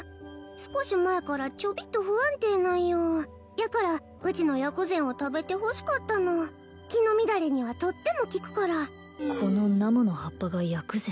少し前からちょびっと不安定なんよやからうちの薬膳を食べてほしかったの気の乱れにはとっても効くからこの生の葉っぱが薬膳？